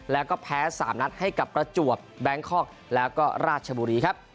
แล้วก็แพ้๓นัดให้กับประจวบแบงคอกแล้วก็ราชบุรีครับ